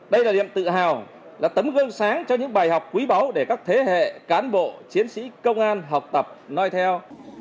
đây là niềm tự hào là tấm gương sáng cho những bài học quý báu để các thế hệ cán bộ chiến sĩ công an học tập nói theo